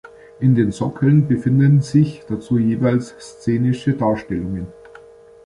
In den Sockeln befinden sich dazu jeweils szenische Darstellungen.